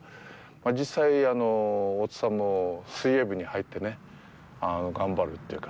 実際、大津さんも水泳部に入ってね、頑張るっていうか。